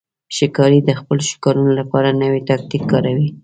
ښکاري د خپلو ښکارونو لپاره نوی تاکتیک کاروي.